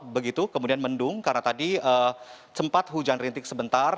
begitu kemudian mendung karena tadi sempat hujan rintik sebentar